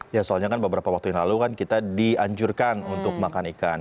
ya soalnya kan beberapa waktu yang lalu kan kita dianjurkan untuk makan ikan